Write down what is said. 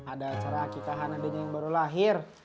ada acara akikahan adanya yang baru lahir